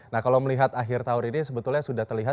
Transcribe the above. nah kalau melihat akhir tahun ini sebetulnya sudah terlihat